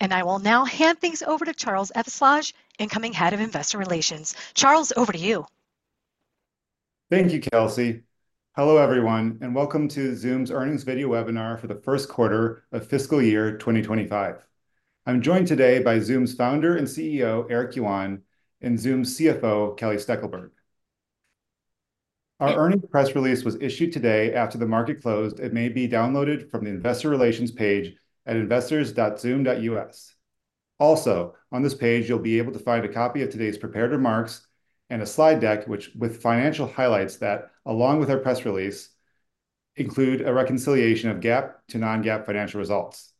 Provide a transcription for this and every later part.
I will now hand things over to Charles Esworthy, incoming Head of Investor Relations. Charles, over to you. Thank you, Kelsey. Hello, everyone, and welcome to Zoom's earnings video webinar for the Q1 of FY 2025. I'm joined today by Zoom's founder and CEO, Eric Yuan, and Zoom's CFO, Kelly Steckelberg. Our earnings press release was issued today after the market closed. It may be downloaded from the Investor Relations page at investors.zoom.us. Also, on this page, you'll be able to find a copy of today's prepared remarks and a slide deck, which, with financial highlights that, along with our press release, include a reconciliation of GAAP to non-GAAP financial results.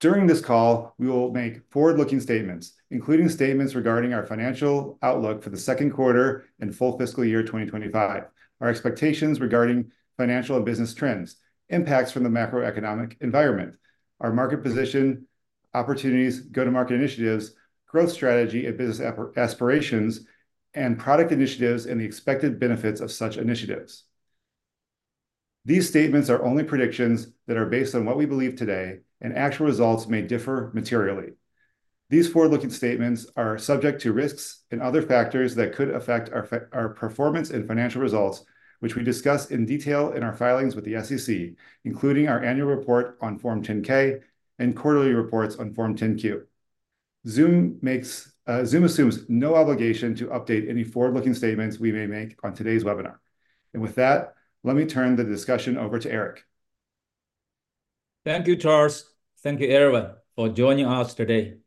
During this call, we will make forward-looking statements, including statements regarding our financial outlook for the Q2 and full fiscal year 2025, our expectations regarding financial and business trends, impacts from the macroeconomic environment, our market position, opportunities, go-to-market initiatives, growth strategy and business aspirations, and product initiatives, and the expected benefits of such initiatives. These statements are only predictions that are based on what we believe today, and actual results may differ materially. These forward-looking statements are subject to risks and other factors that could affect our performance and financial results, which we discuss in detail in our filings with the SEC, including our annual report on Form 10-K and quarterly reports on Form 10-Q. Zoom assumes no obligation to update any forward-looking statements we may make on today's webinar. With that, let me turn the discussion over to Eric. Thank you, Charles. Thank you, everyone, for joining us today.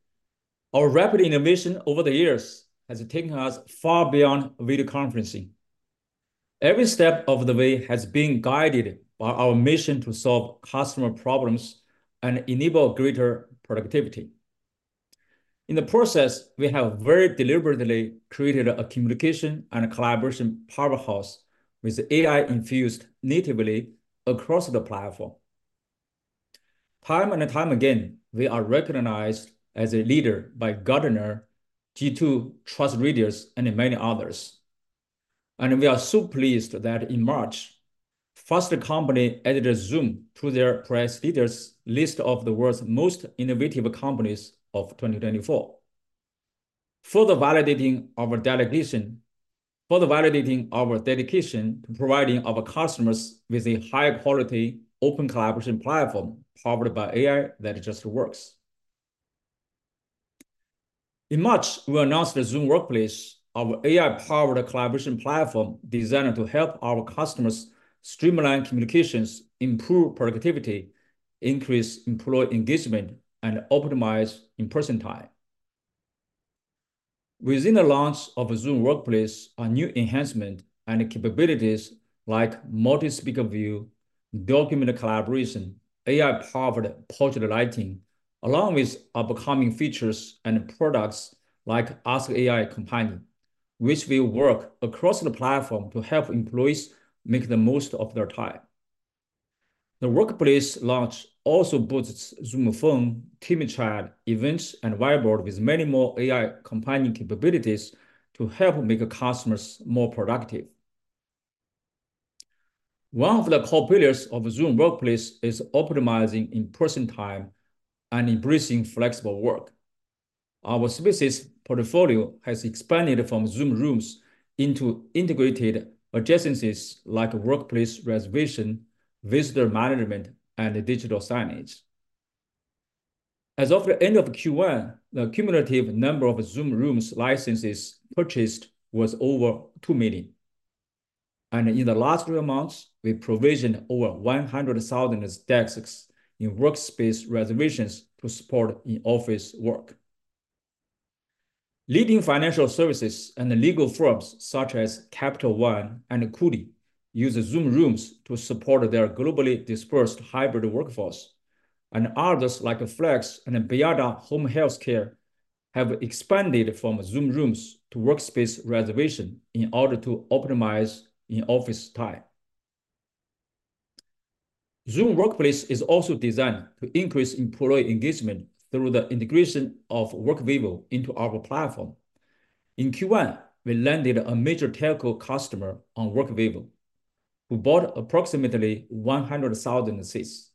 Our rapid innovation over the years has taken us far beyond video conferencing. Every step of the way has been guided by our mission to solve customer problems and enable greater productivity. In the process, we have very deliberately created a communication and collaboration powerhouse with AI infused natively across the platform. Time and time again, we are recognized as a leader by Gartner, G2, TrustRadius, and many others. We are so pleased that in March, Fast Company added Zoom to their prestigious list of the World's Most Innovative Companies of 2024, further validating our dedication, further validating our dedication to providing our customers with a high-quality open collaboration platform powered by AI that just works. In March, we announced Zoom Workplace, our AI-powered collaboration platform designed to help our customers streamline communications, improve productivity, increase employee engagement, and optimize in-person time. With the launch of Zoom Workplace, our new enhancement and capabilities like multi-speaker view, document collaboration, AI-powered portrait lighting, along with upcoming features and products like Ask AI Companion, which will work across the platform to help employees make the most of their time. The Workplace launch also boosts Zoom Phone, Team Chat, Events, and Whiteboard, with many more AI Companion capabilities to help make customers more productive. One of the core pillars of Zoom Workplace is optimizing in-person time and embracing flexible work. Our services portfolio has expanded from Zoom Rooms into integrated adjacencies like workplace reservation, visitor management, and digital signage. As of the end of Q1, the cumulative number of Zoom Rooms licenses purchased was over 2 million, and in the last three months, we provisioned over 100,000 desks in workspace reservations to support in-office work. Leading financial services and legal firms, such as Capital One and Cooley, use Zoom Rooms to support their globally dispersed hybrid workforce, and others, like Flex and Bayada Home Health Care, have expanded from Zoom Rooms to workspace reservation in order to optimize in-office time. Zoom Workplace is also designed to increase employee engagement through the integration of Workvivo into our platform. In Q1, we landed a major telco customer on Workvivo, who bought approximately 100,000 seats,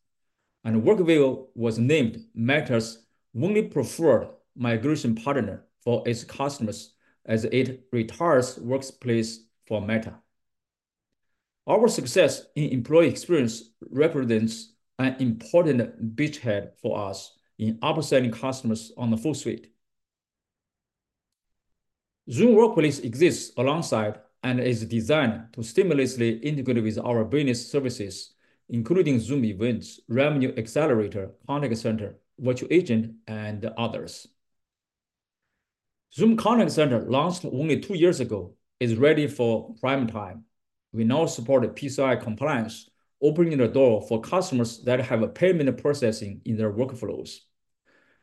and Workvivo was named Meta's only preferred migration partner for its customers as it retires Workplace from Meta. Our success in employee experience represents an important beachhead for us in upselling customers on the full suite. Zoom Workplace exists alongside and is designed to seamlessly integrate with our business services, including Zoom Events, Revenue Accelerator, Contact Center, Virtual Agent, and others. Zoom Contact Center, launched only two years ago, is ready for prime time. We now support PCI compliance, opening the door for customers that have payment processing in their workflows.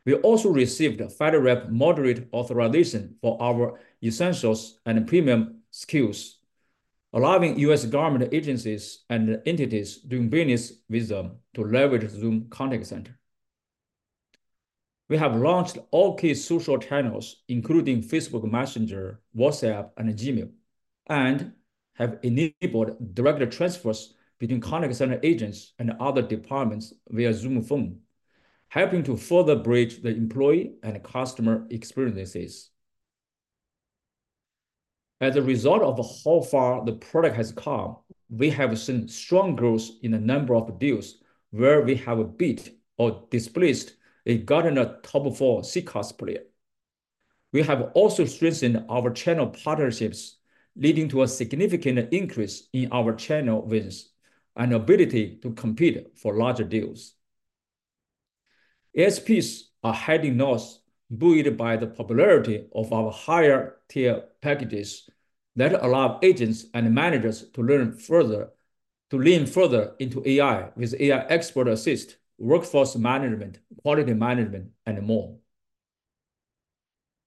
We also received FedRAMP moderate authorization for our essentials and premium skills, allowing U.S. government agencies and entities doing business with them to leverage Zoom Contact Center. We have launched all key social channels, including Facebook Messenger, WhatsApp, and Gmail, and have enabled direct transfers between Contact Center agents and other departments via Zoom Phone, helping to further bridge the employee and customer experiences. As a result of how far the product has come, we have seen strong growth in the number of deals where we have beat or displaced a Gartner top four CCaaS player. We have also strengthened our channel partnerships, leading to a significant increase in our channel wins and ability to compete for larger deals. ASPs are heading north, buoyed by the popularity of our higher-tier packages that allow agents and managers to lean further into AI, with AI Expert Assist, workforce management, quality management, and more.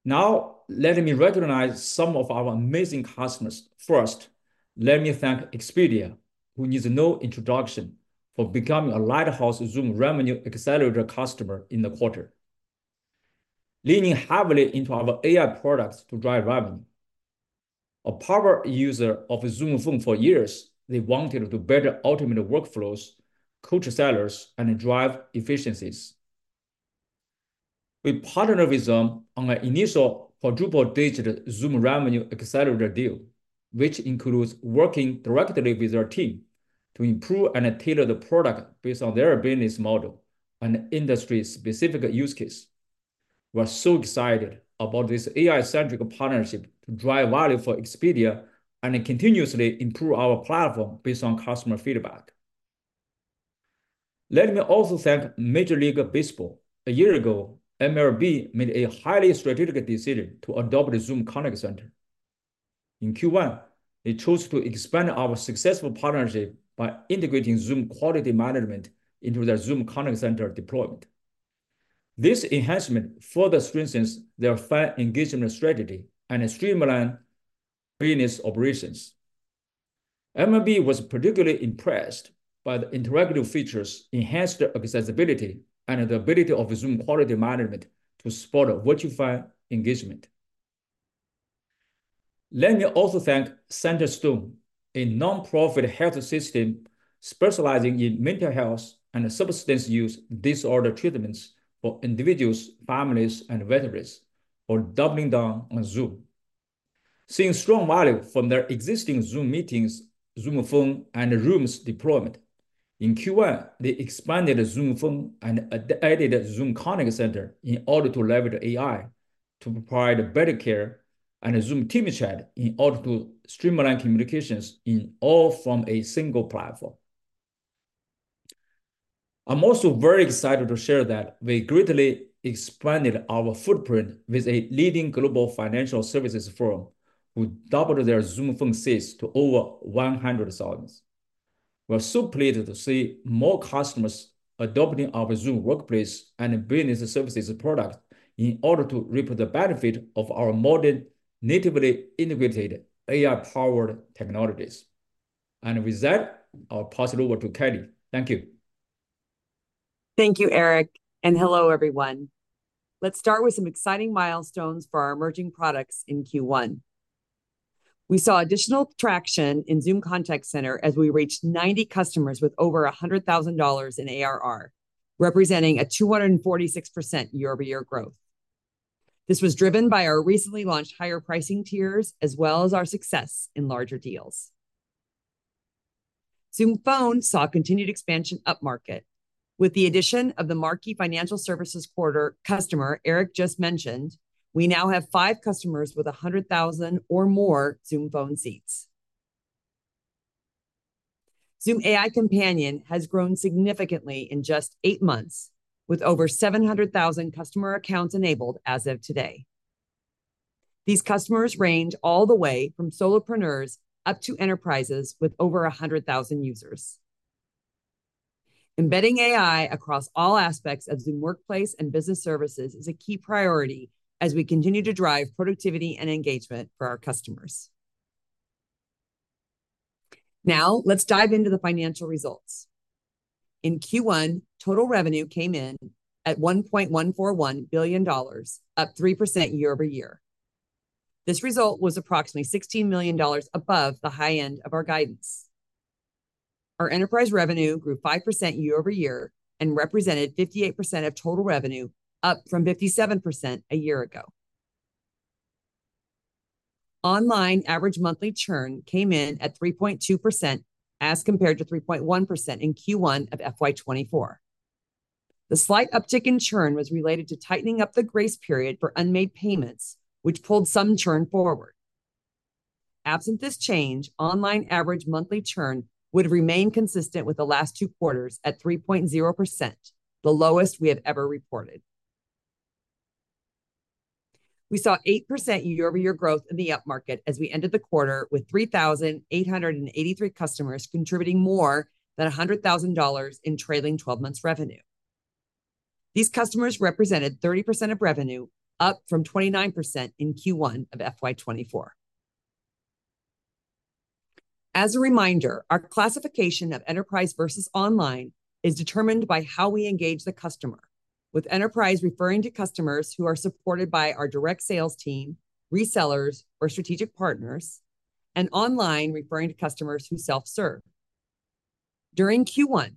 Now, let me recognize some of our amazing customers. First, let me thank Expedia, who needs no introduction, for becoming a lighthouse Zoom Revenue Accelerator customer in the quarter, leaning heavily into our AI products to drive revenue. A power user of Zoom Phone for years, they wanted to better automate workflows, coach sellers, and drive efficiencies. We partnered with them on an initial quadruple-digit Zoom Revenue Accelerator deal, which includes working directly with their team to improve and tailor the product based on their business model and industry-specific use case. We're so excited about this AI-centric partnership to drive value for Expedia and continuously improve our platform based on customer feedback. Let me also thank Major League Baseball. A year ago, MLB made a highly strategic decision to adopt Zoom Contact Center. In Q1, they chose to expand our successful partnership by integrating Zoom Quality Management into their Zoom Contact Center deployment. This enhancement further strengthens their fan engagement strategy and streamline business operations. MLB was particularly impressed by the interactive features, enhanced accessibility, and the ability of Zoom Quality Management to support virtual fan engagement. Let me also thank Centerstone, a nonprofit health system specializing in mental health and substance use disorder treatments for individuals, families, and veterans, for doubling down on Zoom. Seeing strong value from their existing Zoom Meetings, Zoom Phone, and Rooms deployment, in Q1, they expanded Zoom Phone and added Zoom Contact Center in order to leverage AI to provide better care, and Zoom Team Chat in order to streamline communications, in all from a single platform. I'm also very excited to share that we greatly expanded our footprint with a leading global financial services firm, who doubled their Zoom Phone seats to over 100,000. We're so pleased to see more customers adopting our Zoom Workplace and Business Services products in order to reap the benefit of our modern, natively integrated, AI-powered technologies. And with that, I'll pass it over to Kelly. Thank you. Thank you, Eric, and hello, everyone. Let's start with some exciting milestones for our emerging products in Q1. We saw additional traction in Zoom Contact Center as we reached 90 customers with over $100,000 in ARR, representing a 246% year-over-year growth. This was driven by our recently launched higher pricing tiers, as well as our success in larger deals. Zoom Phone saw continued expansion upmarket. With the addition of the marquee financial services quarter customer Eric just mentioned, we now have five customers with 100,000 or more Zoom Phone seats. Zoom AI Companion has grown significantly in just eight months, with over 700,000 customer accounts enabled as of today. These customers range all the way from solopreneurs up to enterprises with over 100,000 users. Embedding AI across all aspects of Zoom Workplace and Business Services is a key priority as we continue to drive productivity and engagement for our customers. Now, let's dive into the financial results. In Q1, total revenue came in at $1.141 billion, up 3% year-over-year. This result was approximately $16 million above the high end of our guidance. Our enterprise revenue grew 5% year-over-year and represented 58% of total revenue, up from 57% a year ago. Online average monthly churn came in at 3.2%, as compared to 3.1% in Q1 of FY 2024. The slight uptick in churn was related to tightening up the grace period for unmade payments, which pulled some churn forward. Absent this change, online average monthly churn would remain consistent with the last two quarters at 3.0%, the lowest we have ever reported. We saw 8% year-over-year growth in the upmarket as we ended the quarter with 3,883 customers, contributing more than $100,000 in trailing twelve months revenue. These customers represented 30% of revenue, up from 29% in Q1 of FY 2024. As a reminder, our classification of enterprise versus online is determined by how we engage the customer, with enterprise referring to customers who are supported by our direct sales team, resellers, or strategic partners, and online referring to customers who self-serve. During Q1,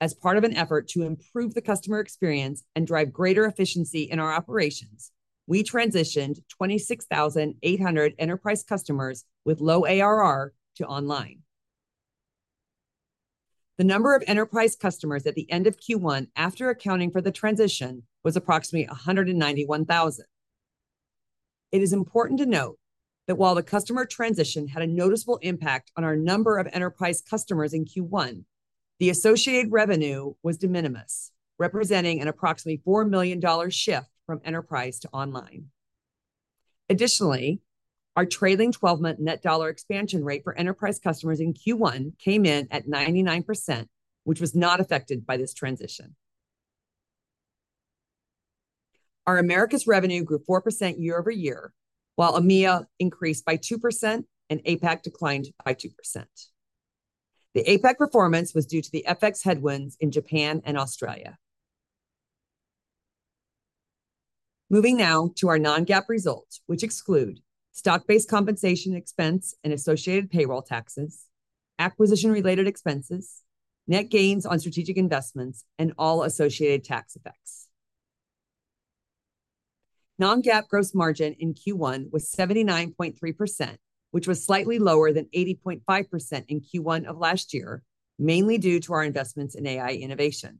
as part of an effort to improve the customer experience and drive greater efficiency in our operations, we transitioned 26,800 enterprise customers with low ARR to online. The number of enterprise customers at the end of Q1 after accounting for the transition was approximately 191,000. It is important to note that while the customer transition had a noticeable impact on our number of enterprise customers in Q1, the associated revenue was de minimis, representing an approximately $4 million shift from enterprise to online. Additionally, our trailing twelve-month net dollar expansion rate for enterprise customers in Q1 came in at 99%, which was not affected by this transition. Our Americas revenue grew 4% year-over-year, while EMEA increased by 2% and APAC declined by 2%. The APAC performance was due to the FX headwinds in Japan and Australia. Moving now to our non-GAAP results, which exclude stock-based compensation expense and associated payroll taxes, acquisition-related expenses, net gains on strategic investments, and all associated tax effects. Non-GAAP gross margin in Q1 was 79.3%, which was slightly lower than 80.5% in Q1 of last year, mainly due to our investments in AI innovation.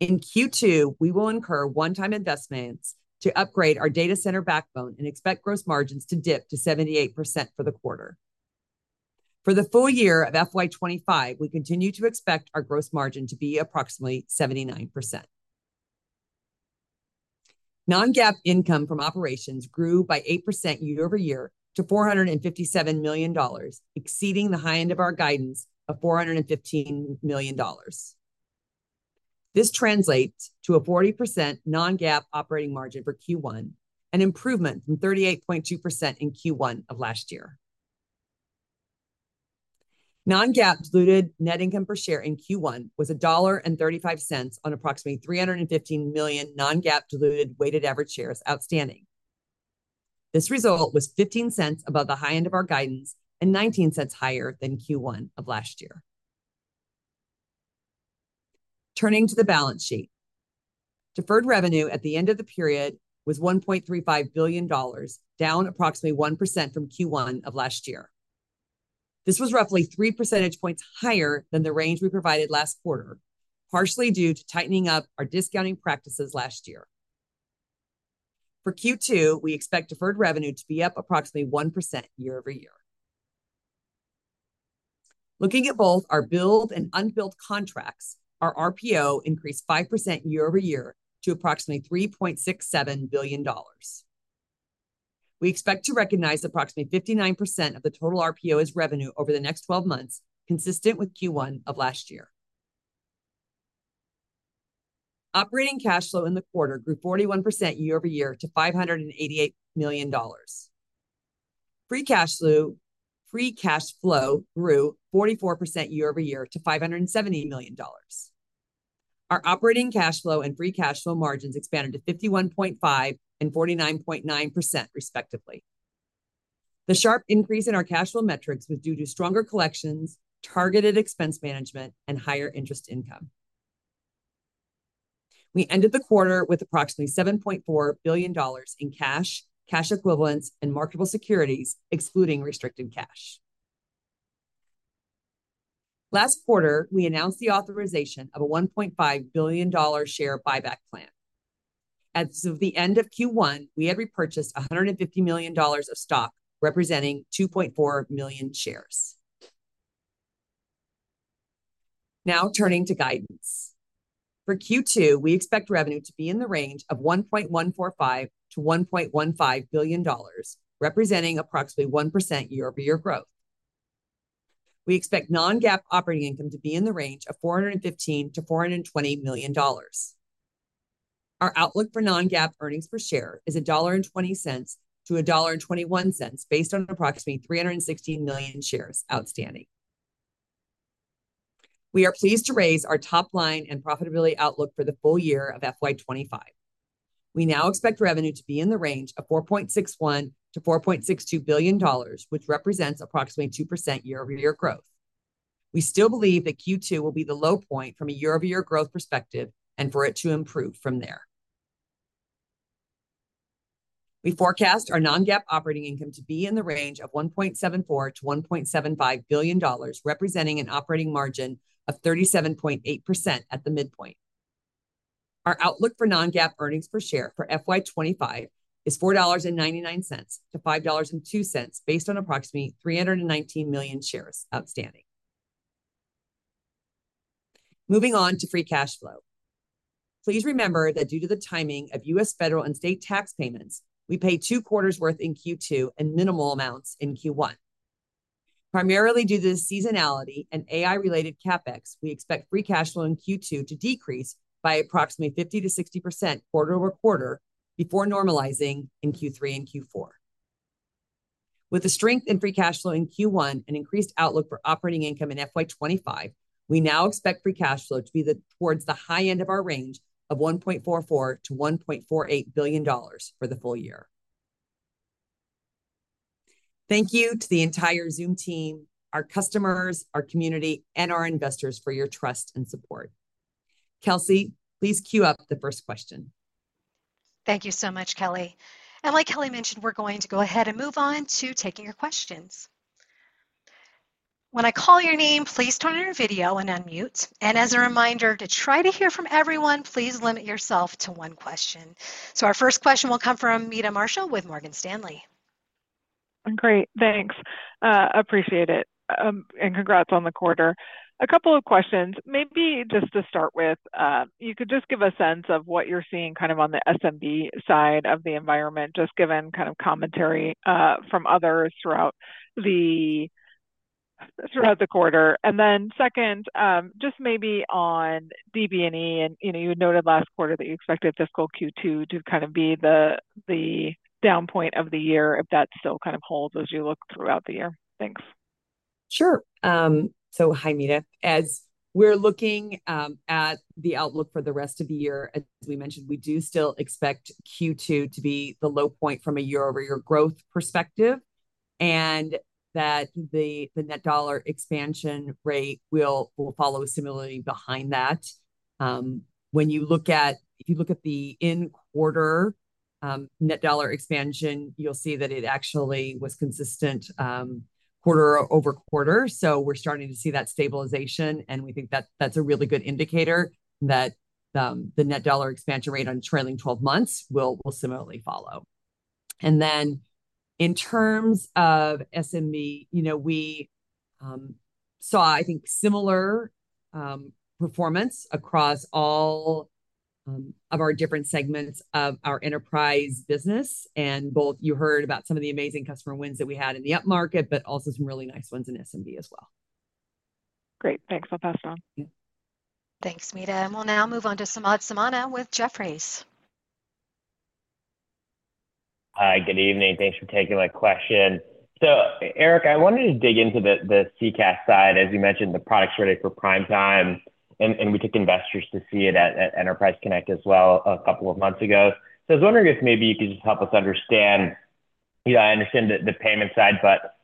In Q2, we will incur one-time investments to upgrade our data center backbone and expect gross margins to dip to 78% for the quarter. For the full year of FY 2025, we continue to expect our gross margin to be approximately 79%. Non-GAAP income from operations grew by 8% year over year to $457 million, exceeding the high end of our guidance of $415 million. This translates to a 40% non-GAAP operating margin for Q1, an improvement from 38.2% in Q1 of last year. Non-GAAP diluted net income per share in Q1 was $1.35 on approximately 315 million non-GAAP diluted weighted average shares outstanding. This result was 15 cents above the high end of our guidance and 19 cents higher than Q1 of last year. Turning to the balance sheet. Deferred revenue at the end of the period was $1.35 billion, down approximately 1% from Q1 of last year. This was roughly 3 percentage points higher than the range we provided last quarter, partially due to tightening up our discounting practices last year. For Q2, we expect deferred revenue to be up approximately 1% year over year. Looking at both our billed and unbilled contracts, our RPO increased 5% year over year to approximately $3.67 billion. We expect to recognize approximately 59% of the total RPO as revenue over the next twelve months, consistent with Q1 of last year. Operating cash flow in the quarter grew 41% year-over-year to $588 million. Free cash flow, free cash flow grew 44% year-over-year to $570 million. Our operating cash flow and free cash flow margins expanded to 51.5% and 49.9% respectively. The sharp increase in our cash flow metrics was due to stronger collections, targeted expense management, and higher interest income. We ended the quarter with approximately $7.4 billion in cash, cash equivalents, and marketable securities, excluding restricted cash. Last quarter, we announced the authorization of a $1.5 billion share buyback plan. As of the end of Q1, we had repurchased $150 million of stock, representing 2.4 million shares. Now turning to guidance. For Q2, we expect revenue to be in the range of $1.145-$1.15 billion, representing approximately 1% year-over-year growth. We expect non-GAAP operating income to be in the range of $415-$420 million. Our outlook for non-GAAP earnings per share is $1.20-$1.21, based on approximately 316 million shares outstanding. We are pleased to raise our top line and profitability outlook for the full year of FY 2025. We now expect revenue to be in the range of $4.61 billion-$4.62 billion, which represents approximately 2% year-over-year growth. We still believe that Q2 will be the low point from a year-over-year growth perspective, and for it to improve from there. We forecast our Non-GAAP operating income to be in the range of $1.74 billion-$1.75 billion, representing an operating margin of 37.8% at the midpoint. Our outlook for Non-GAAP earnings per share for FY 2025 is $4.99-$5.02, based on approximately 319 million shares outstanding. Moving on to Free Cash Flow. Please remember that due to the timing of U.S. federal and state tax payments, we pay two quarters' worth in Q2 and minimal amounts in Q1. Primarily due to the seasonality and AI-related CapEx, we expect free cash flow in Q2 to decrease by approximately 50%-60% quarter-over-quarter, before normalizing in Q3 and Q4. With the strength in free cash flow in Q1 and increased outlook for operating income in FY 2025, we now expect free cash flow to be towards the high end of our range of $1.44-$1.48 billion for the full year. Thank you to the entire Zoom team, our customers, our community, and our investors for your trust and support. Kelsey, please cue up the first question. Thank you so much, Kelly. Like Kelly mentioned, we're going to go ahead and move on to taking your questions. When I call your name, please turn on your video and unmute. As a reminder, to try to hear from everyone, please limit yourself to one question. Our first question will come from Meta Marshall with Morgan Stanley. Great. Thanks. Appreciate it. And congrats on the quarter. A couple of questions. Maybe just to start with, you could just give a sense of what you're seeing kind of on the SMB side of the environment, just given kind of commentary from others throughout the quarter. And then second, just maybe on DB&E, and, you know, you noted last quarter that you expected fiscal Q2 to kind of be the down point of the year, if that still kind of holds as you look throughout the year. Thanks. Sure. So hi, Meta. As we're looking at the outlook for the rest of the year, as we mentioned, we do still expect Q2 to be the low point from a year-over-year growth perspective, and that the Net Dollar Expansion Rate will follow similarly behind that. When you look at the in quarter Net Dollar Expansion Rate, you'll see that it actually was consistent quarter-over-quarter, so we're starting to see that stabilization, and we think that that's a really good indicator that the Net Dollar Expansion Rate on trailing 12 months will similarly follow. And then in terms of SMB, you know, we saw, I think, similar performance across all of our different segments of our enterprise business. Both you heard about some of the amazing customer wins that we had in the upmarket, but also some really nice ones in SMB as well. Great. Thanks. I'll pass it on. Thanks, Meta. We'll now move on to Samad Samana with Jefferies. Hi, good evening. Thanks for taking my question. So Eric, I wanted to dig into the CCAS side. As you mentioned, the product strategy for prime time, and we took investors to see it at Enterprise Connect as well a couple of months ago. So I was wondering if maybe you could just help us understand .You know, I understand the payment side, but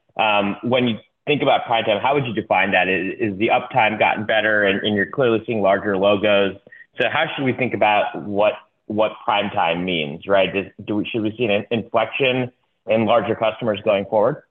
when you think about prime time, how would you define that? Has the uptime gotten better? And you're clearly seeing larger logos. So how should we think about what prime time means, right? Should we see an inflection in larger customers going forward?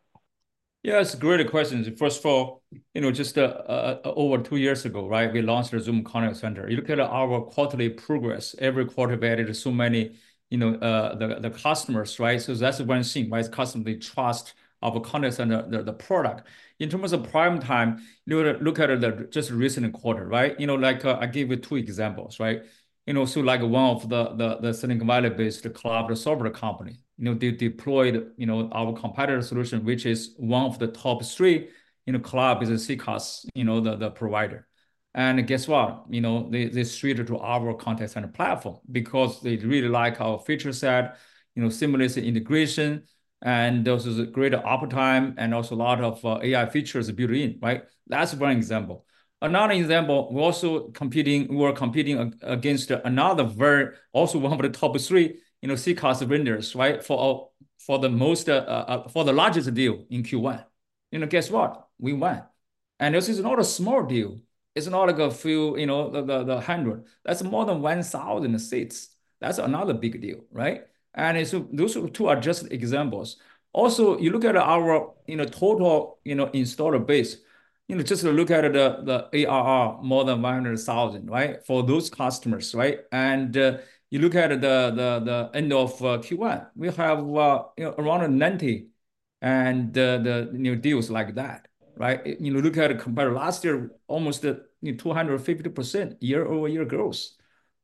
Yeah, it's a great question. First of all, you know, just over 2 years ago, right, we launched the Zoom Contact Center. You look at our quarterly progress, every quarter we added so many, you know, the customers, right? So that's one thing, right, is customer trust of a Contact Center, the product. In terms of prime time, you look at the just recent quarter, right? You know, like, I give you two examples, right? You know, so like one of the Silicon Valley-based cloud software company, you know, they deployed, you know, our competitor solution, which is one of the top 3 in the cloud, is a CCaaS, you know, the provider. And guess what? You know, they switched to our Contact Center platform because they really like our feature set, you know, seamless integration, and there was a greater uptime and also a lot of AI features built in, right? That's one example. Another example, we're also competing against another very also one of the top three, you know, CCaaS vendors, right? For the largest deal in Q1. You know, guess what? We won. And this is not a small deal. It's not like a few, you know, the hundred. That's more than 1,000 seats. That's another big deal, right? And so those two are just examples. Also, you look at our, you know, total installed base, you know, just look at the ARR, more than 100,000, right, for those customers, right? You look at the end of Q1, we have you know, around 90, and the you know deals like that, right? You know, look at it compared to last year, almost you know, 250% year-over-year growth.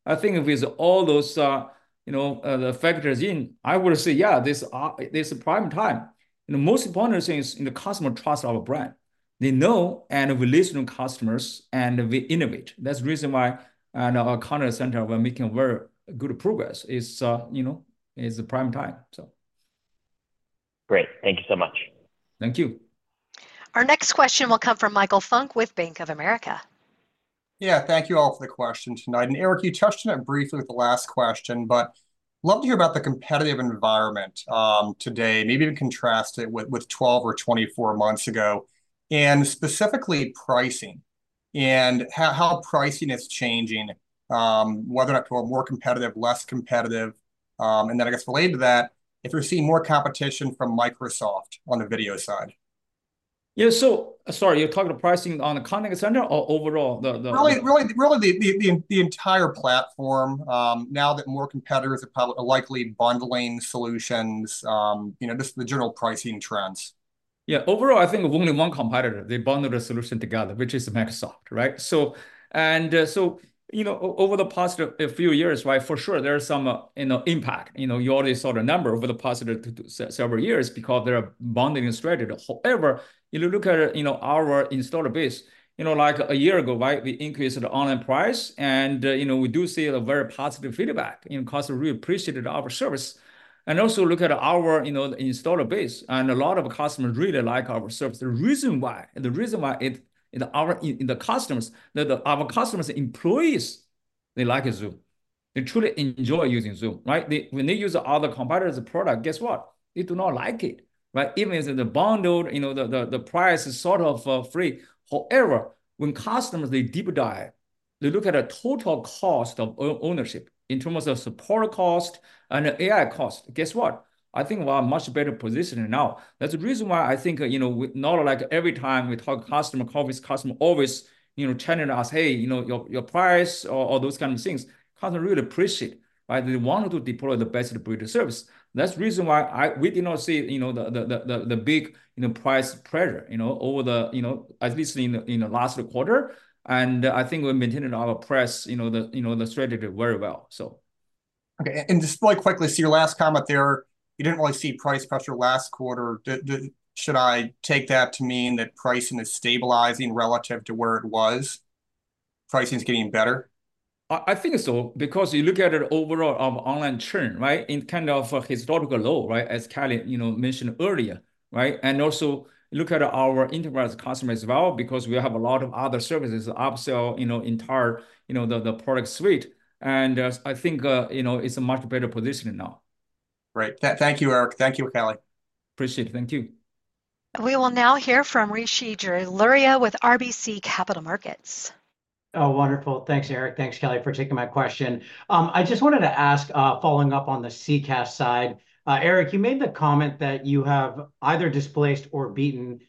I think with all those you know the factors in, I would say, yeah, this this is prime time. And the most important thing is the customer trusts our brand. They know, and we listen to customers, and we innovate. That's the reason why our Contact Center, we're making very good progress. It's you know, it's the prime time, so Great. Thank you so much. Thank you. Our next question will come from Michael Funk with Bank of America. Yeah. Thank you all for the question tonight. And Eric, you touched on it briefly with the last question, but love to hear about the competitive environment today, maybe even contrast it with 12 or 24 months ago, and specifically pricing, and how pricing is changing, whether or not people are more competitive, less competitive. And then I guess related to that, if we're seeing more competition from Microsoft on the video side. Yeah, so sorry, you're talking pricing on the Contact Center or overall? Really, really, really the entire platform, now that more competitors are probably likely bundling solutions, you know, just the general pricing trends. Yeah. Overall, I think only one competitor, they bundle the solution together, which is Microsoft, right? So, and, so, you know, over the past few years, right, for sure, there is some, you know, impact. You know, you already saw the numbers over the past several years because of their bundling strategy. However, if you look at, you know, our installed base, you know, like a year ago, right, we increased the online price, and, you know, we do see a very positive feedback. You know, customers really appreciated our service. And also look at our, you know, installed base, and a lot of customers really like our service. The reason why, the reason why our customers' employees, they like Zoom... they truly enjoy using Zoom, right? They, when they use other competitor's product, guess what? They do not like it, right? Even if the bundle, you know, the price is sort of free. However, when customers, they deep dive, they look at a total cost of ownership, in terms of support cost and AI cost, guess what? I think we're in a much better position now. That's the reason why I think, you know, we not like every time we talk customer, conference, customer always, you know, telling us, "Hey, you know, your price," or those kind of things. Customer really appreciate, right? They want to deploy the best ability service. That's the reason why I we did not see, you know, the big, you know, price pressure, you know, over the, you know, at least in the last quarter. I think we maintained our price, you know, the strategy very well, so. Okay, and just very quickly, so your last comment there, you didn't really see price pressure last quarter. Did... Should I take that to mean that pricing is stabilizing relative to where it was, pricing is getting better? I think so, because you look at the overall online trend, right? In kind of a historical low, right, as Kelly, you know, mentioned earlier, right? And also, look at our enterprise customer as well, because we have a lot of other services, upsell, you know, entire, you know, the product suite. And I think, you know, it's a much better position now. Great. Thank you, Eric. Thank you, Kelly. Appreciate it. Thank you. We will now hear from Rishi Jaluria with RBC Capital Markets. Oh, wonderful. Thanks, Eric, thanks, Kelly, for taking my question. I just wanted to ask, following up on the CCaaS side, Eric, you made the comment that you have either displaced or beaten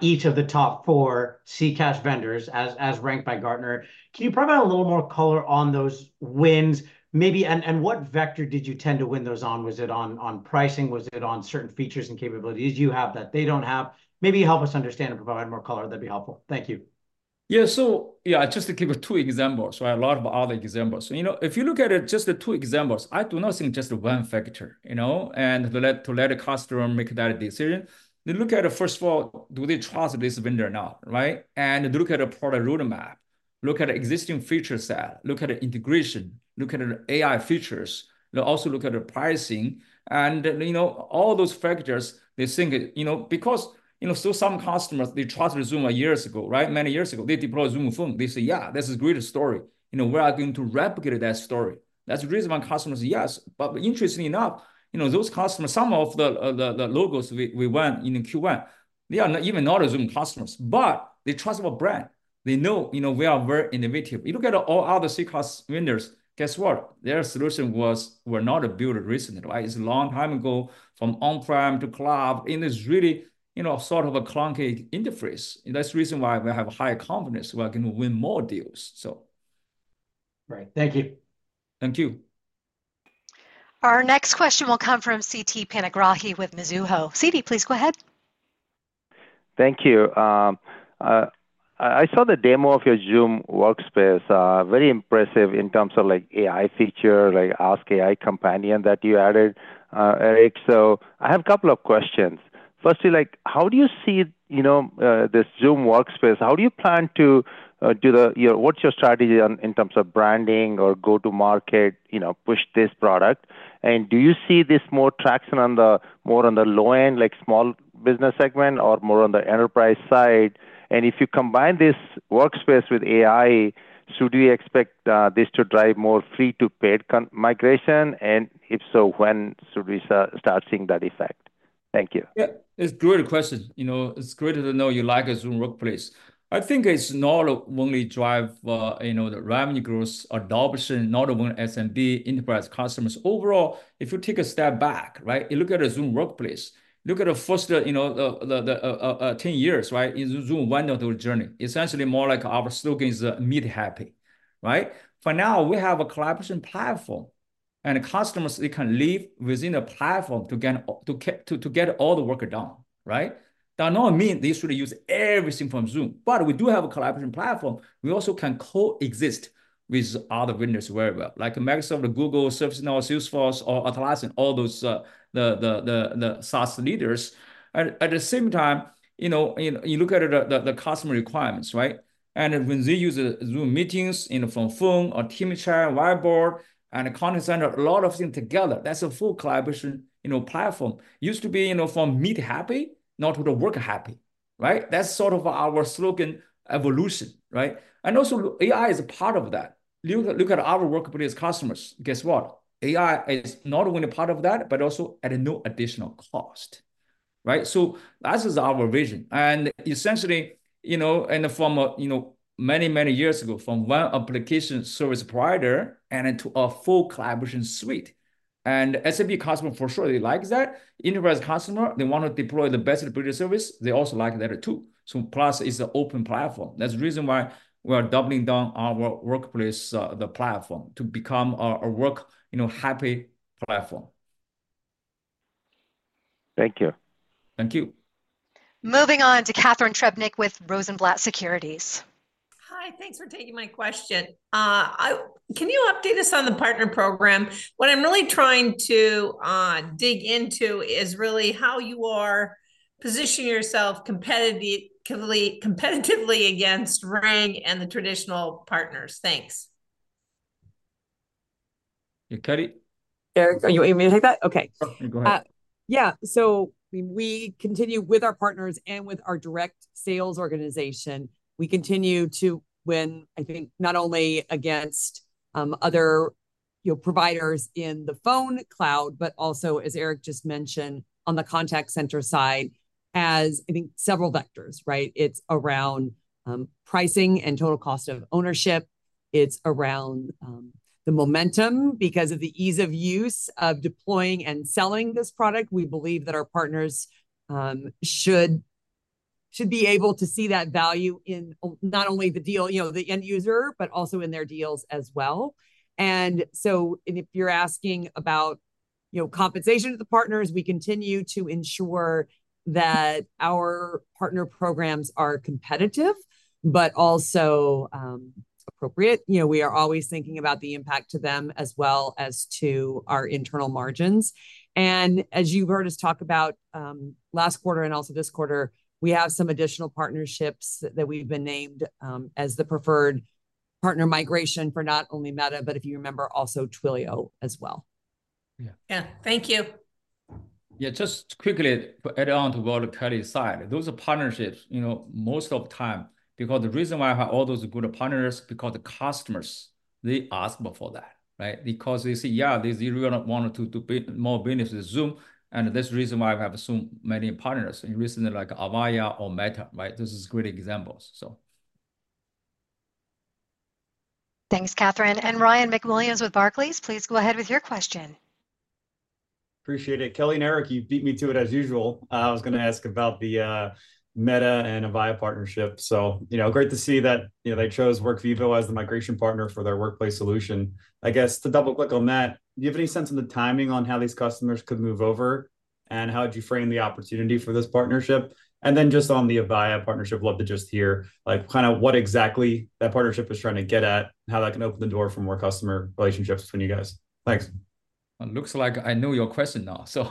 each of the top four CCaaS vendors as ranked by Gartner. Can you provide a little more color on those wins, maybe, and what vector did you tend to win those on? Was it on pricing? Was it on certain features and capabilities you have that they don't have? Maybe help us understand and provide more color, that'd be helpful. Thank you. Yeah, so yeah, just to give two examples, right? A lot of other examples. You know, if you look at it, just the two examples. I do not think just one factor, you know? And to let a customer make that decision, they look at, first of all, do they trust this vendor or not, right? And they look at the product roadmap, look at existing feature set, look at the integration, look at the AI features. They also look at the pricing, and, you know, all those factors, they think, you know... Because, you know, so some customers, they trusted Zoom years ago, right? Many years ago. They deployed Zoom, boom. They say, "Yeah, this is a great story." You know, we are going to replicate that story. That's the reason why customers, yes. But interestingly enough, you know, those customers, some of the, the logos we won in Q1, they are not even know the Zoom customers, but they trust our brand. They know, you know, we are very innovative. You look at all other CCaaS vendors, guess what? Their solution was, were not built recently, right? It's a long time ago, from on-prem to cloud, and it's really, you know, sort of a clunky interface, and that's the reason why we have high confidence we are going to win more deals, so. Right. Thank you. Thank you. Our next question will come from Siti Panigrahi with Mizuho. Siti, please go ahead. Thank you. I saw the demo of your Zoom Workplace. Very impressive in terms of, like, AI feature, like Ask AI Companion that you added, Eric. So I have a couple of questions. Firstly, like, how do you see, you know, this Zoom Workplace? How do you plan to what's your strategy in terms of branding or go-to-market, you know, push this product? And do you see this more traction on the, more on the low end, like small business segment, or more on the enterprise side? And if you combine this Workplace with AI, should we expect this to drive more free to paid migration? And if so, when should we start seeing that effect? Thank you. Yeah, it's a great question. You know, it's great to know you like our Zoom Workplace. I think it's not only drive, you know, the revenue growth, adoption, not only SMB, enterprise customers. Overall, if you take a step back, right, you look at the Zoom Workplace, look at the first, you know, the 10 years, right, in Zoom wonderful journey. Essentially, more like our slogan is, "Meet happy," right? For now, we have a collaboration platform, and customers, they can live within a platform to get all the work done, right? That not mean they should use everything from Zoom, but we do have a collaboration platform. We also can coexist with other vendors very well, like Microsoft or Google, ServiceNow, Salesforce or Atlassian, all those, the SaaS leaders. At the same time, you know, you look at the customer requirements, right? And when they use Zoom Meetings, you know, from Phone or Team Chat, Whiteboard, and a Contact Center, a lot of things together, that's a full collaboration, you know, platform. Used to be, you know, from "meet happy," now to "the work happy," right? That's sort of our slogan evolution, right? And also, AI is a part of that. Look at our Workplace customers. Guess what? AI is not only a part of that, but also at no additional cost, right? So that is our vision, and essentially, you know, in the form of, you know, many years ago, from one application service provider and into a full collaboration suite. And SaaS customer for sure, they likes that. Enterprise customer, they want to deploy the best ability service, they also like that too. So plus, it's an open platform. That's the reason why we are doubling down our Workplace, the platform, to become a, a work, you know, happy platform. Thank you. Thank you. Moving on to Catharine Trebnick with Rosenblatt Securities. Hi, thanks for taking my question. Can you update us on the partner program? What I'm really trying to dig into is really how you are positioning yourself competitively, competitively against Ring and the traditional partners. Thanks. You, Callie?... Eric, are you, you want me to take that? Okay. Yeah, go ahead. Yeah, so we continue with our partners and with our direct sales organization. We continue to win, I think, not only against other, you know, providers in the Phone cloud, but also, as Eric just mentioned, on the Contact Center side, as I think several vectors, right? It's around pricing and total cost of ownership. It's around the momentum, because of the ease of use of deploying and selling this product. We believe that our partners should be able to see that value in not only the deal, you know, the end user, but also in their deals as well. And if you're asking about, you know, compensation to the partners, we continue to ensure that our partner programs are competitive, but also appropriate. You know, we are always thinking about the impact to them as well as to our internal margins. As you've heard us talk about last quarter and also this quarter, we have some additional partnerships that we've been named as the preferred partner migration for not only Meta, but if you remember, also Twilio as well. Yeah. Yeah, thank you. Yeah, just quickly to add on to what Kelly said, those are partnerships, you know, most of the time, because the reason why I have all those good partners, because the customers, they ask me for that, right? Because they say, "Yeah, they zero in on one or two to build more business with Zoom," and that's the reason why we have Zoom many partners, and recently, like Avaya or Meta, right? This is great examples, so... Thanks, Catharine. And Ryan McWilliams with Barclays, please go ahead with your question. Appreciate it. Kelly and Eric, you beat me to it, as usual. I was gonna ask about the Meta and Avaya partnership. So, you know, great to see that, you know, they chose Workvivo as the migration partner for their workplace solution. I guess, to double-click on that, do you have any sense of the timing on how these customers could move over, and how would you frame the opportunity for this partnership? And then just on the Avaya partnership, love to just hear, like, kind of what exactly that partnership is trying to get at, and how that can open the door for more customer relationships between you guys. Thanks. It looks like I know your question now, so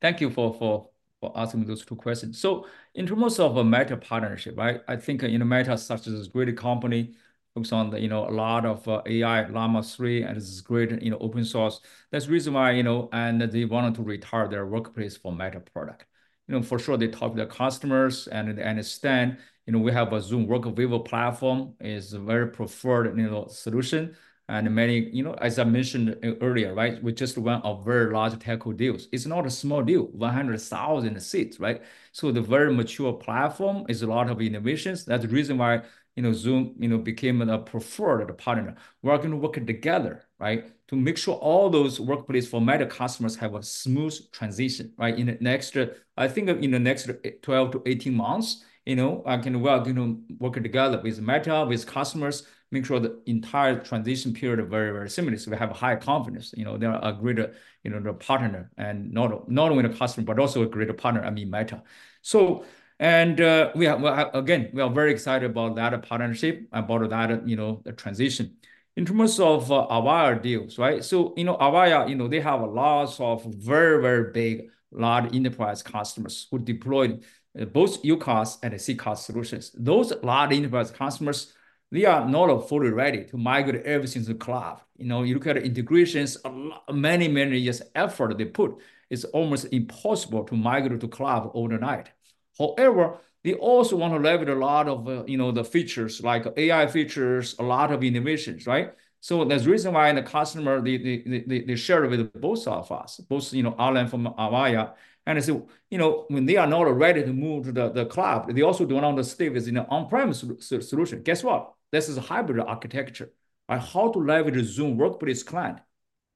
thank you for asking those two questions. So in terms of a Meta partnership, right, I think, you know, Meta is such a great company, focused on the, you know, a lot of AI Llama 3, and this is great, you know, open source. That's the reason why, you know, and they wanted to retire their Workplace from Meta product. You know, for sure, they talk to their customers and understand, you know, we have a Zoom Workvivo platform, is a very preferred, you know, solution. And many, you know, as I mentioned earlier, right, we just won a very large technical deals. It's not a small deal, 100,000 seats, right? So the very mature platform is a lot of innovations. That's the reason why, you know, Zoom, you know, became the preferred partner. We are going to work together, right, to make sure all those Workplace from Meta customers have a smooth transition, right? In the next, I think in the next 12-18 months, you know, I can well, you know, work together with Meta, with customers, make sure the entire transition period are very, very similar, so we have a high confidence. You know, they are a great, you know, partner, and not only a customer, but also a great partner, I mean, Meta. So, and, we are, well, again, we are very excited about that partnership, about that, you know, the transition. In terms of Avaya deals, right? So, you know, Avaya, you know, they have a lot of very, very big, large enterprise customers who deployed both UCaaS and CCaaS solutions. Those large enterprise customers, they are not fully ready to migrate everything to the cloud. You know, you look at integrations, a lot of many, many years' effort they put, it's almost impossible to migrate to cloud overnight. However, they also want to leverage a lot of, you know, the features, like AI features, a lot of innovations, right? So that's the reason why the customer, they share it with both of us, both, you know, online from Avaya. And so, you know, when they are not ready to move to the cloud, they also do not want an on-premise solution. Guess what? This is a hybrid architecture, by how to leverage Zoom Workplace client,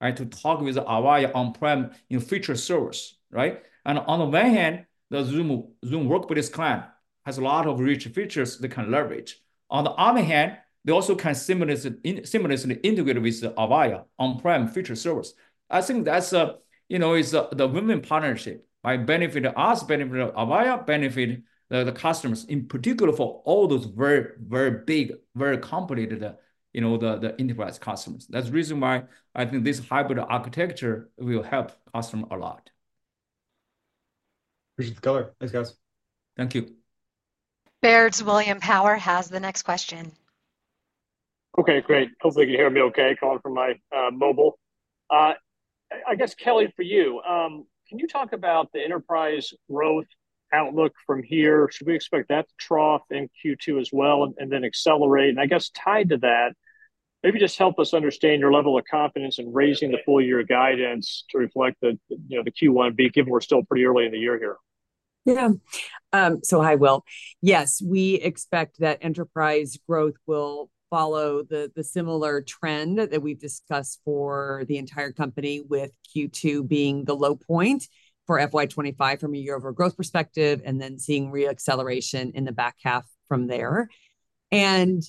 right, to talk with Avaya on-prem, in future service, right? On the one hand, the Zoom Workplace client has a lot of rich features they can leverage. On the other hand, they also can seamlessly, seamlessly integrate with Avaya on-prem future service. I think that's, you know, is the, the winning partnership, right? Benefit us, benefit Avaya, benefit the, the customers, in particular for all those very, very big, very complicated, you know, the, the enterprise customers. That's the reason why I think this hybrid architecture will help customer a lot. Appreciate the color. Thanks, guys. Thank you. Baird's Will Power has the next question. Okay, great. Hopefully, you can hear me okay, calling from my mobile. I guess, Kelly, for you, can you talk about the enterprise growth outlook from here? Should we expect that to trough in Q2 as well, and then accelerate? And I guess tied to that, maybe just help us understand your level of confidence in raising the full-year guidance to reflect the, you know, the Q1, being given we're still pretty early in the year here. Yeah. So hi, Will. Yes, we expect that enterprise growth will follow the similar trend that we've discussed for the entire company, with Q2 being the low point for FY 2025 from a year-over-year growth perspective, and then seeing reacceleration in the back half from there. In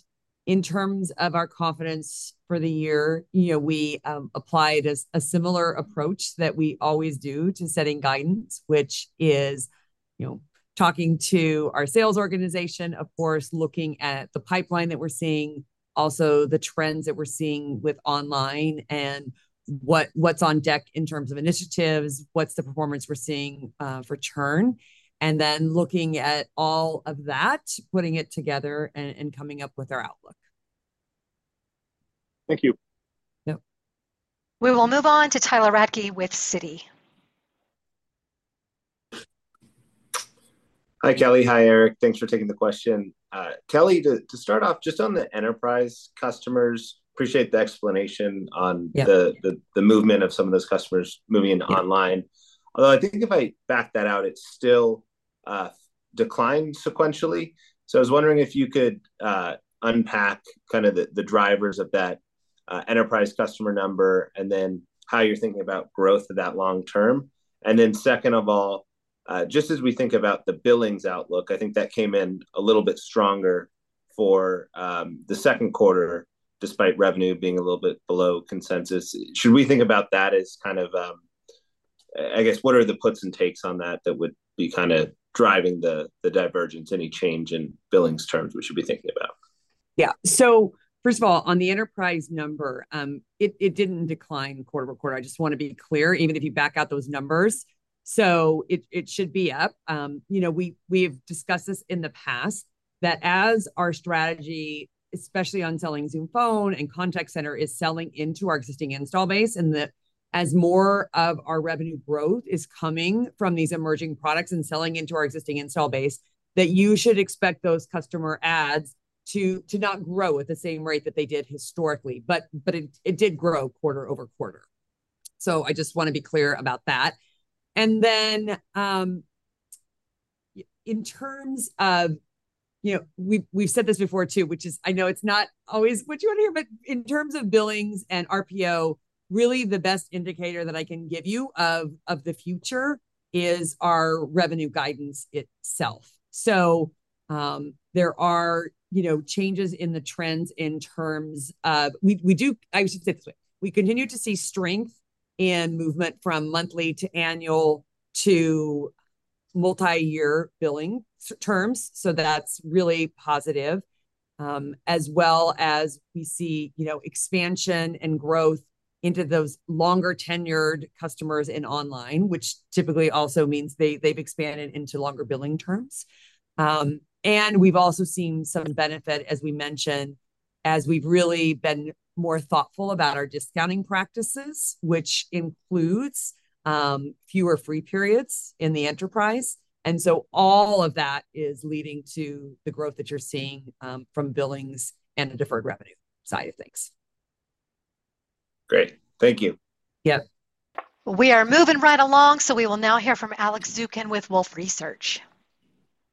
terms of our confidence for the year, you know, we applied a similar approach that we always do to setting guidance, which is, you know, talking to our sales organization, of course, looking at the pipeline that we're seeing, also the trends that we're seeing with online and what's on deck in terms of initiatives, what's the performance we're seeing for churn, and then looking at all of that, putting it together, and coming up with our outlook. Thank you. Yep. We will move on to Tyler Radke with Citi. Hi, Kelly. Hi, Eric. Thanks for taking the question. Kelly, to start off just on the enterprise customers, appreciate the explanation on the- Yeah The movement of some of those customers moving online. Although I think if I back that out, it's still declined sequentially. So I was wondering if you could unpack kind of the drivers of that enterprise customer number, and then how you're thinking about growth of that long term? And then second of all, just as we think about the billings outlook, I think that came in a little bit stronger for the Q2, despite revenue being a little bit below consensus. Should we think about that as kind of I guess, what are the puts and takes on that that would be kind of driving the divergence, any change in billings terms we should be thinking about? Yeah. So first of all, on the enterprise number, it didn't decline quarter-over-quarter. I just wanna be clear, even if you back out those numbers. So it should be up. You know, we've discussed this in the past, that as our strategy, especially on selling Zoom Phone and Contact Center, is selling into our existing install base, and that as more of our revenue growth is coming from these emerging products and selling into our existing install base, that you should expect those customer adds to not grow at the same rate that they did historically. But it did grow quarter-over-quarter. So I just wanna be clear about that. And then, in terms of... You know, we've said this before, too, which is, I know it's not always what you wanna hear, but in terms of billings and RPO, really the best indicator that I can give you of the future is our revenue guidance itself. So, there are, you know, changes in the trends in terms of... I should say it this way, we continue to see strength and movement from monthly to annual to multi-year billing terms, so that's really positive. As well as we see, you know, expansion and growth into those longer tenured customers in online, which typically also means they've expanded into longer billing terms. And we've also seen some benefit, as we mentioned, as we've really been more thoughtful about our discounting practices, which includes fewer free periods in the enterprise. And so all of that is leading to the growth that you're seeing, from billings and the deferred revenue side of things. Great. Thank you. Yep. We are moving right along, so we will now hear from Alex Zukin with Wolfe Research.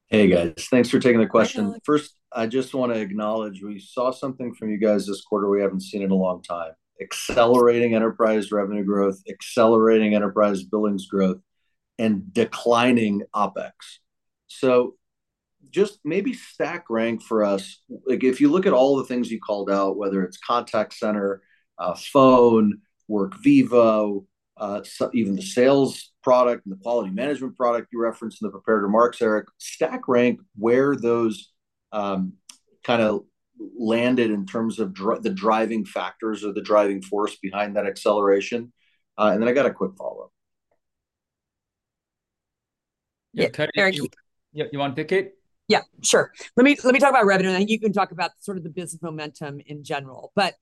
Hey, guys. Thanks for taking the question. Hi, Alex. First, I just want to acknowledge, we saw something from you guys this quarter we haven't seen in a long time: accelerating enterprise revenue growth, accelerating enterprise billings growth, and declining OpEx. So just maybe stack rank for us, like, if you look at all the things you called out, whether it's Contact Center, Phone, Workvivo, even the sales product and the quality management product you referenced in the prepared remarks, Eric, stack rank where those, kind of landed in terms of the driving factors or the driving force behind that acceleration. And then I got a quick follow-up. Yeah, Eric- Yeah, Kelly, you, you want to take it? Yeah, sure. Let me, let me talk about revenue, and then you can talk about sort of the business momentum in general. But,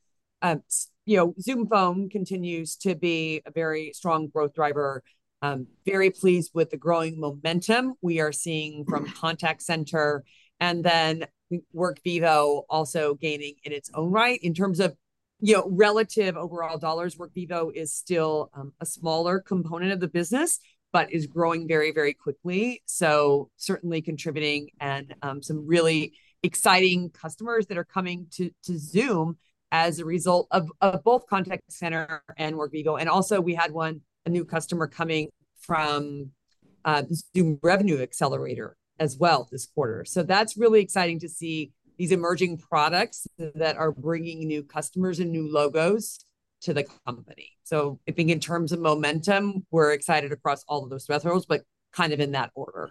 you know, Zoom Phone continues to be a very strong growth driver. Very pleased with the growing momentum we are seeing from Contact Center, and then Workvivo also gaining in its own right. In terms of, you know, relative overall dollars, Workvivo is still, a smaller component of the business, but is growing very, very quickly, so certainly contributing, and, some really exciting customers that are coming to, to Zoom as a result of, of both Contact Center and Workvivo. And also, we had one, a new customer coming from, Zoom Revenue Accelerator as well this quarter. So that's really exciting to see these emerging products that are bringing new customers and new logos to the company. I think in terms of momentum, we're excited across all of those verticals, but kind of in that order.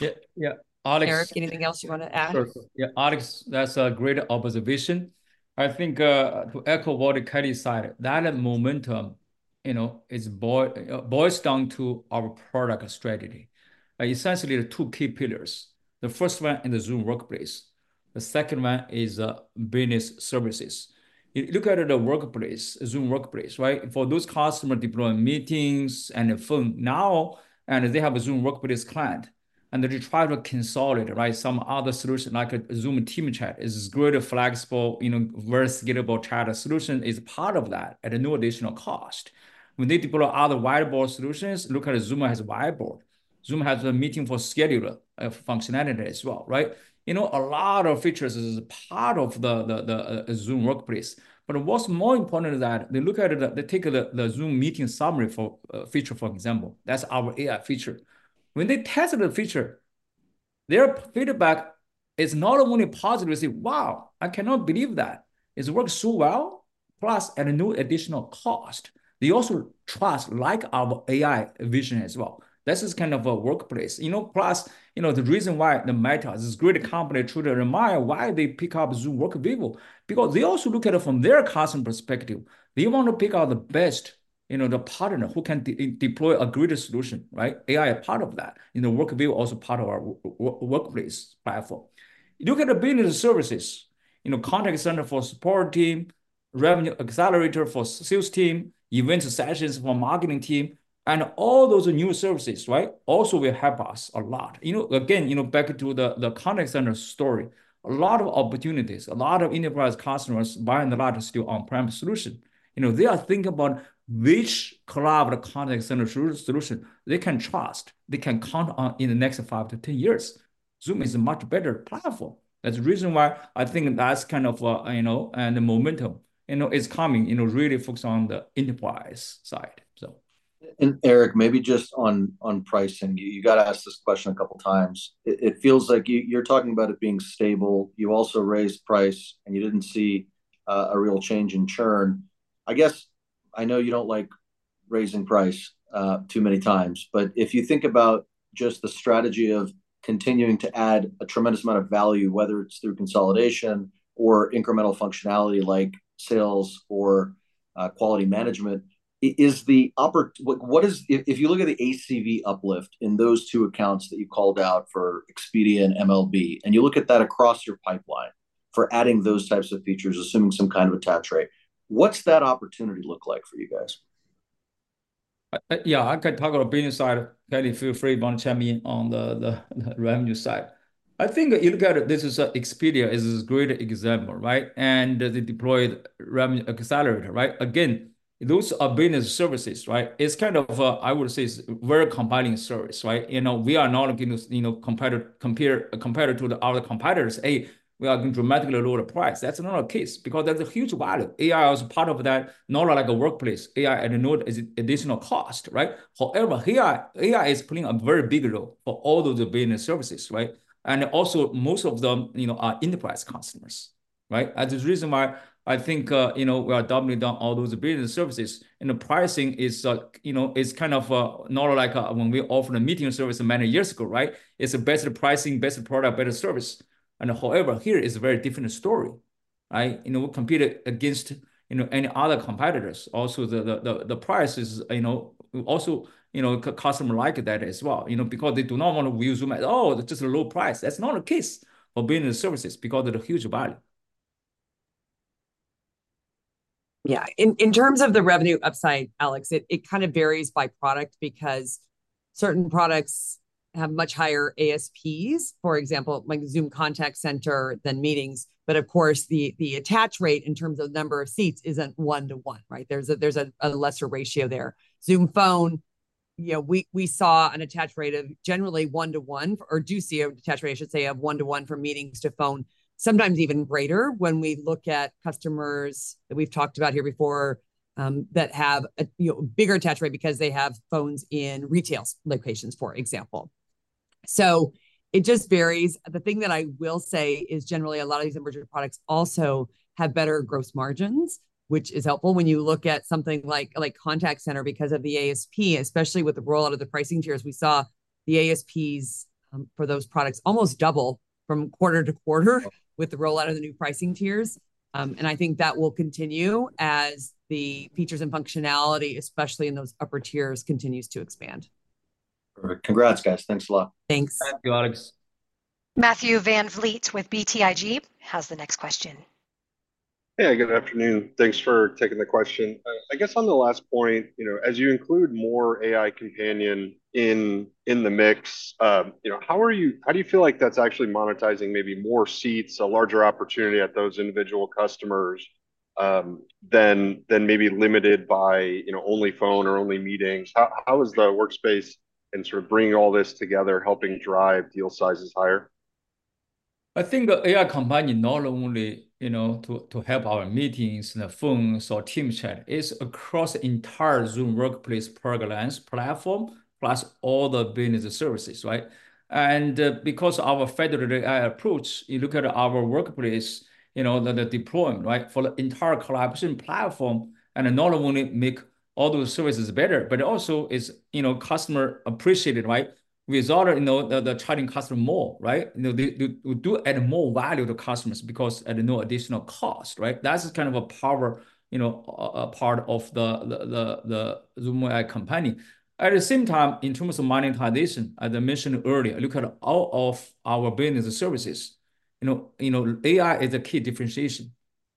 Yeah, yeah. Alex- Eric, anything else you wanna add? Sure. Yeah, Alex, that's a great observation. I think, to echo what Kelly said, that momentum, you know, is boils down to our product strategy. Essentially, there are two key pillars. The first one is the Zoom Workplace, the second one is, Business Services. You look at the Workplace, Zoom Workplace, right? For those customer deploying meetings and the Phone now, and they have a Zoom Workplace client, and they try to consolidate, right, some other solution, like a Zoom Team Chat is great, flexible, you know, very scalable chat solution is part of that at no additional cost. We need to put out other viable solutions. Look at Zoom has a viable. Zoom has a Meeting for scheduler, functionality as well, right? You know, a lot of features is a part of the, the, the, Zoom Workplace. But what's more important is that they look at it, they take the Zoom Meeting summary feature, for example, that's our AI feature. When they test the feature, their feedback is not only positive, they say, "Wow, I cannot believe that. It's worked so well," plus at no additional cost. They also trust, like, our AI vision as well. This is kind of a workplace. You know, plus, you know, the reason why the Meta, this great company, should remind why they pick up Zoom Workvivo. Because they also look at it from their customer perspective. They want to pick out the best, you know, the partner who can deploy a greater solution, right? AI a part of that. You know, Workvivo also part of our Workplace platform. You look at the Business Services, you know, Contact Center for support team-... Revenue Accelerator for sales team, event sessions for marketing team, and all those new services, right? Also will help us a lot. You know, again, you know, back to the, the Contact Center story, a lot of opportunities, a lot of enterprise customers buying a lot of still on-premise solution. You know, they are thinking about which collaborative Contact Center solution they can trust, they can count on in the next 5-10 years. Zoom is a much better platform. That's the reason why I think that's kind of, you know, and the momentum, you know, is coming, you know, really focused on the enterprise side, so. And Eric, maybe just on pricing. You got to ask this question a couple times. It feels like you're talking about it being stable. You also raised price, and you didn't see a real change in churn. I guess, I know you don't like raising price too many times, but if you think about just the strategy of continuing to add a tremendous amount of value, whether it's through consolidation or incremental functionality like sales or quality management, is the opportunity? If you look at the ACV uplift in those two accounts that you called out for Expedia and MLB, and you look at that across your pipeline for adding those types of features, assuming some kind of attach rate, what's that opportunity look like for you guys? Yeah, I can talk about business side. Kelly, feel free to chime in on the revenue side. I think you look at it, this is Expedia is a great example, right? And they deployed Revenue Accelerator, right? Again, those are business services, right? It's kind of, I would say, it's very compelling service, right? You know, we are not going to, you know, competitor, compare, competitor to the other competitors. A, we are going to dramatically lower the price. That's not our case, because there's a huge value. AI is part of that, not like a Workplace. AI add-on is additional cost, right? However, AI is playing a very big role for all of the business services, right? And also, most of them, you know, are enterprise customers, right? That's the reason why I think, you know, we are doubling down all those business services. And the pricing is, you know, is kind of, not like, when we offered a Meeting service many years ago, right? It's a better pricing, better product, better service. And however, here is a very different story, right? You know, we compete against, you know, any other competitors. Also, the price is, you know, also, you know, customer like that as well, you know, because they do not want to use Zoom at all, just a low price. That's not the case for business services, because of the huge value. Yeah. In terms of the revenue upside, Alex, it kind of varies by product because certain products have much higher ASPs. For example, like Zoom Contact Center than Meetings. But of course, the attach rate in terms of number of seats isn't 1-to-1, right? There's a lesser ratio there. Zoom Phone, you know, we saw an attach rate of generally 1-to-1, or do see an attach rate, I should say, of 1-to-1 from Meetings to Phone. Sometimes even greater when we look at customers that we've talked about here before, that have a, you know, bigger attach rate because they have Phone in retail locations, for example. So it just varies. The thing that I will say is generally a lot of these emerging products also have better gross margins, which is helpful when you look at something like, like Contact Center because of the ASP, especially with the rollout of the pricing tiers. We saw the ASPs for those products almost double from quarter-to-quarter with the rollout of the new pricing tiers. And I think that will continue as the features and functionality, especially in those upper tiers, continues to expand. Perfect. Congrats, guys. Thanks a lot. Thanks. Thank you, Alex. Matthew Van Vliet with BTIG has the next question. Hey, good afternoon. Thanks for taking the question. I guess on the last point, you know, as you include more AI companion in the mix, you know, how do you feel like that's actually monetizing maybe more seats, a larger opportunity at those individual customers, than maybe limited by, you know, only Phone or only Meetings? How is the workspace and sort of bringing all this together helping drive deal sizes higher? I think AI Companion not only, you know, to help our Meetings and the Phones or Team Chat, it's across entire Zoom Workplace platform, plus all the business services, right? And because our federated AI approach, you look at our Workplace, you know, the deployment, right, for the entire collaboration platform, and not only make all those services better, but also is, you know, customer appreciated, right? We rather, you know, the charging customer more, right? You know, they do add more value to customers because at no additional cost, right? That's kind of a power, you know, a part of the Zoom AI Companion. At the same time, in terms of monetization, as I mentioned earlier, look at all of our business services. You know, AI is a key differentiation,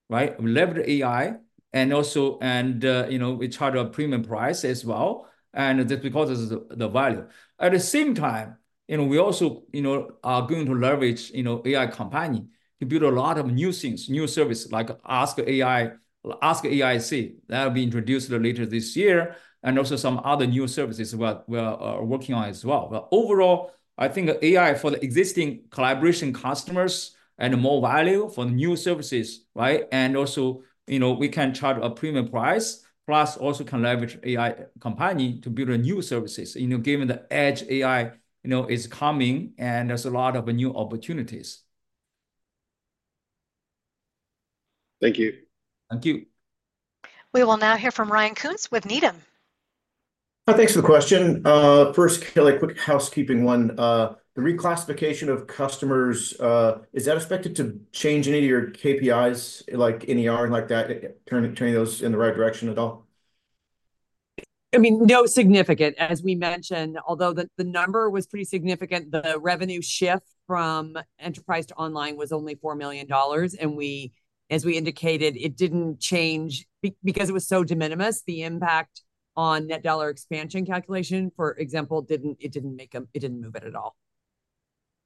right? We leverage AI, and also you know, we charge a premium price as well, and just because this is the value. At the same time, you know, we also you know, are going to leverage you know, AI Companion to build a lot of new things, new services, like Ask AI Companion. That will be introduced later this year, and also some other new services what we are working on as well. But overall, I think AI for the existing collaboration customers add more value for new services, right? And also, you know, we can charge a premium price, plus also can leverage AI Companion to build new services. You know, given the Edge AI you know, is coming and there's a lot of new opportunities. Thank you. Thank you. We will now hear from Ryan Koontz with Needham. Thanks for the question. First, Kelly, quick housekeeping one. The reclassification of customers, is that expected to change any of your KPIs, like NER and like that, turning those in the right direction at all?... I mean, no significant, as we mentioned, although the, the number was pretty significant, the revenue shift from enterprise to online was only $4 million. And we, as we indicated, it didn't change because it was so de minimis, the impact on net dollar expansion calculation, for example, didn't, it didn't make it didn't move it at all.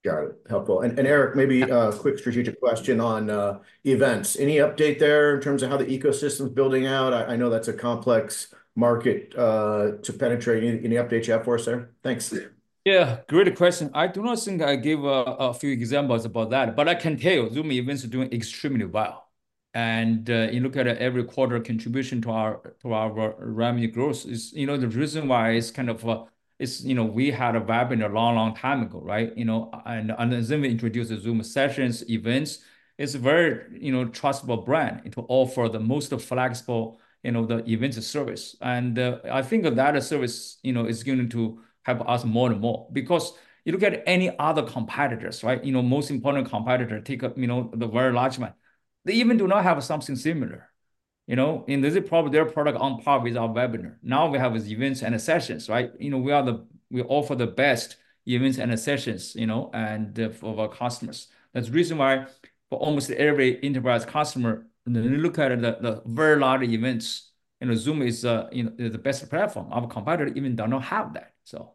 Got it. Helpful. And Eric, maybe a quick strategic question on events. Any update there in terms of how the ecosystem's building out? I know that's a complex market to penetrate. Any updates you have for us there? Thanks. Yeah, great question. I do not think I gave a few examples about that, but I can tell you Zoom Events are doing extremely well. And you look at every quarter contribution to our, to our revenue growth is, you know, the reason why it's kind of, it's, you know, we had a webinar a long, long time ago, right? You know, and, and then Zoom introduced the Zoom Sessions events. It's a very, you know, trustable brand. It will offer the most flexible, you know, the events and service. And I think that service, you know, is going to help us more and more. Because you look at any other competitors, right, you know, most important competitor take up, you know, the very large one, they even do not have something similar, you know? And this is probably their product on par with our webinar. Now we have is Events and Sessions, right? You know, we are the... We offer the best Events and Sessions, you know, and for our customers. That's the reason why for almost every enterprise customer, when you look at the very large events, you know, Zoom is, you know, is the best platform. Our competitor even do not have that, so.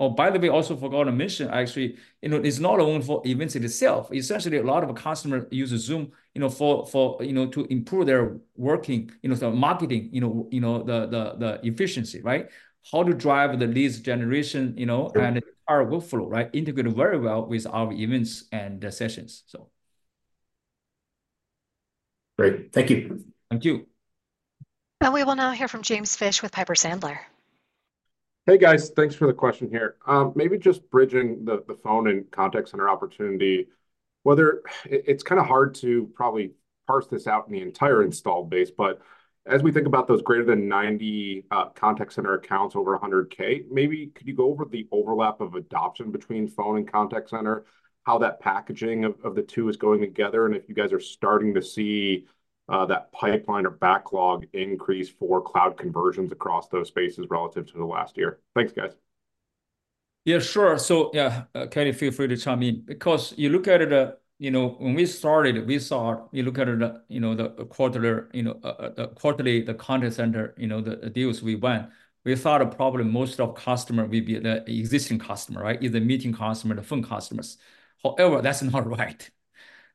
Oh, by the way, also forgot to mention, actually, you know, it's not only for events in itself, essentially a lot of our customers use Zoom, you know, for to improve their working, you know, so marketing, you know, the efficiency, right? How to drive the leads generation, you know, and our workflow, right, integrate very well with our Events and Sessions, so. Great. Thank you. Thank you. We will now hear from James Fish with Piper Sandler. Hey, guys. Thanks for the question here. Maybe just bridging the Phone and Contact Center opportunity, whether... it's kind of hard to probably parse this out in the entire install base, but as we think about those greater than 90 Contact Center accounts over 100K, maybe could you go over the overlap of adoption between Phone and Contact Center, how that packaging of the two is going together, and if you guys are starting to see that pipeline or backlog increase for cloud conversions across those spaces relative to the last year? Thanks, guys. Yeah, sure. So, yeah, Kelly, feel free to chime in. Because you look at it, you know, when we started, we saw you look at the quarterly, the Contact Center, you know, the deals we won. We thought probably most of customer will be the existing customer, right? Either Meeting customer or the Phone customers. However, that's not right.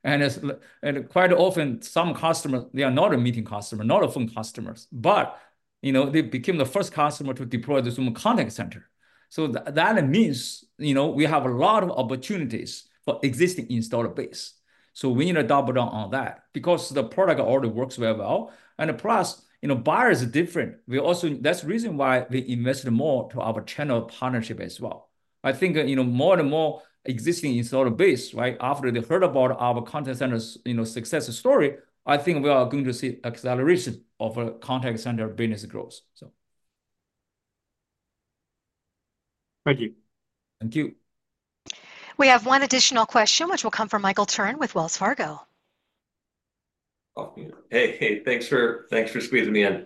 And quite often some customers, they are not a Meeting customer, not a Phone customers, but, you know, they became the first customer to deploy the Zoom Contact Center. So that means, you know, we have a lot of opportunities for existing installed base. So we need to double down on that because the product already works very well. And plus, you know, buyers are different. We also—that's the reason why we invest more to our channel partnership as well. I think, you know, more and more existing installer base, right, after they've heard about our Contact Center's, you know, success story, I think we are going to see acceleration of our Contact Center business growth, so. Thank you. Thank you. We have one additional question, which will come from Michael Turrin with Wells Fargo. Oh, hey, hey, thanks for squeezing me in.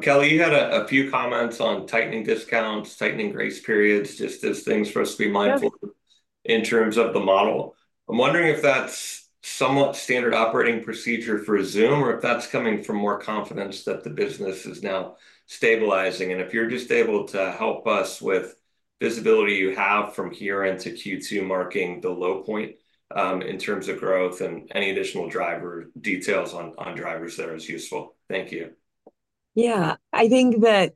Kelly, you had a few comments on tightening discounts, tightening grace periods, just as things for us to be mindful of in terms of the model. I'm wondering if that's somewhat standard operating procedure for Zoom, or if that's coming from more confidence that the business is now stabilizing. And if you're just able to help us with visibility you have from here into Q2, marking the low point in terms of growth and any additional driver details on drivers there is useful. Thank you. Yeah, I think that,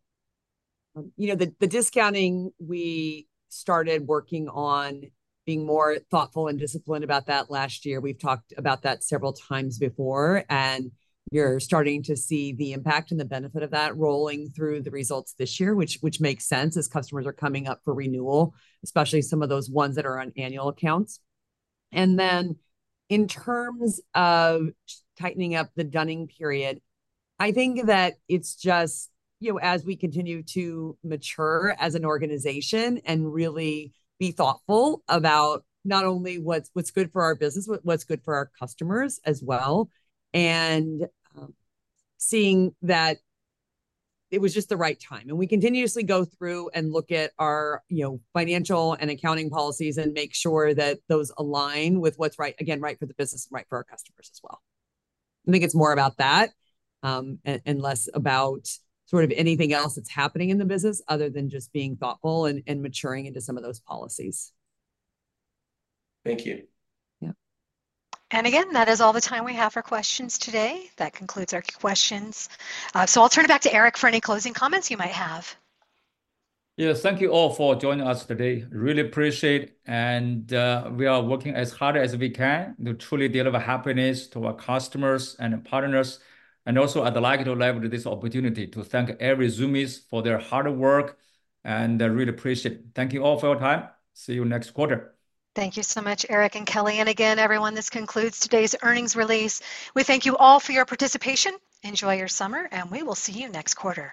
you know, the discounting, we started working on being more thoughtful and disciplined about that last year. We've talked about that several times before, and you're starting to see the impact and the benefit of that rolling through the results this year, which makes sense as customers are coming up for renewal, especially some of those ones that are on annual accounts. And then in terms of tightening up the dunning period, I think that it's just, you know, as we continue to mature as an organization and really be thoughtful about not only what's good for our business, but what's good for our customers as well, and seeing that it was just the right time. And we continuously go through and look at our, you know, financial and accounting policies and make sure that those align with what's right, again, right for the business and right for our customers as well. I think it's more about that, and less about sort of anything else that's happening in the business, other than just being thoughtful and maturing into some of those policies. Thank you. Yeah. Again, that is all the time we have for questions today. That concludes our questions. I'll turn it back to Eric for any closing comments you might have. Yes, thank you all for joining us today. Really appreciate, and we are working as hard as we can to truly deliver happiness to our customers and partners. And also, I'd like to leverage this opportunity to thank every Zoomies for their hard work, and I really appreciate it. Thank you all for your time. See you next quarter. Thank you so much, Eric and Kelly. And again, everyone, this concludes today's earnings release. We thank you all for your participation. Enjoy your summer, and we will see you next quarter.